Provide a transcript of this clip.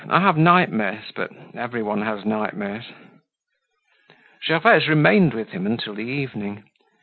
I have nightmares, but everyone has nightmares." Gervaise remained with him until the evening.